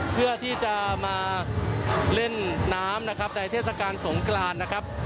เพื่อที่จะมาเล่นน้ำนะครับในเทศกาลสงกรานนะครับ